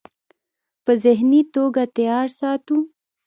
پۀ ذهني توګه تيار ساتو -